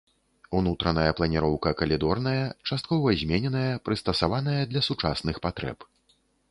Унутраная планіроўка калідорная, часткова змененая, прыстасаваная для сучасных патрэб.